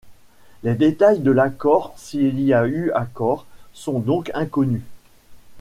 Les détails de l'accord, s'il y a eu accord, sont donc inconnus.